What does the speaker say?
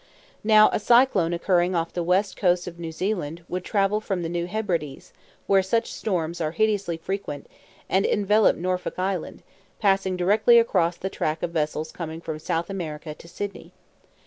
Now a cyclone occurring off the west coast of New Zealand would travel from the New Hebrides, where such storms are hideously frequent, and envelop Norfolk Island, passing directly across the track of vessels coming from South America to Sydney.